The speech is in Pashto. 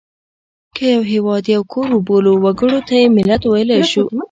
که یو هېواد یو کور وبولو وګړو ته یې ملت ویلای شو.